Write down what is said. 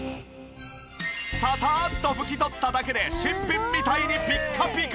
ササッと拭き取っただけで新品みたいにピッカピカ！